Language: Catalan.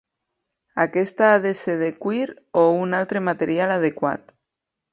Aquesta ha de ser de cuir o un altre material adequat.